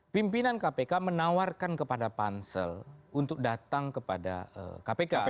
pimpinan kpk menawarkan kepada pansel untuk datang kepada kpk